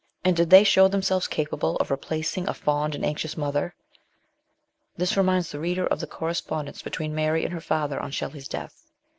And did they show themselves capable of replacing a fond and anxious mother ? This reminds the reader of the correspondence between Mary and her father on Shelley's death.